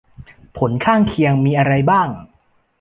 ผลข้างเคียงมีอะไรบ้าง